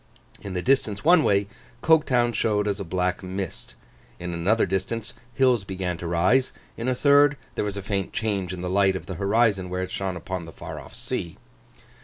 In the distance one way, Coketown showed as a black mist; in another distance hills began to rise; in a third, there was a faint change in the light of the horizon where it shone upon the far off sea.